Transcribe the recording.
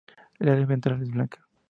El área ventral es blanca.